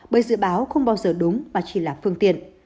bởi dự báo không bao giờ đúng và chỉ là phương tiện